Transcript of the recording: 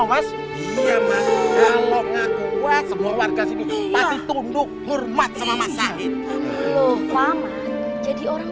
mas ya mas kalau ngaku semua warga sini pasti tunduk hormat sama mas sahid loh mama jadi orang